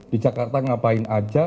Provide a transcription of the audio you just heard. di jakarta ngapain saja